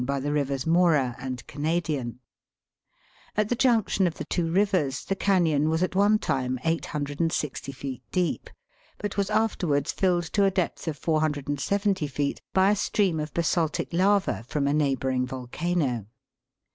by the rivers Mora and Canadian. At the junction of the two rivers the canon was at one time 860 feet deep, but was afterwards filled to a depth of 470 feet by a stream of basaltic lava from a neighbouring volcano.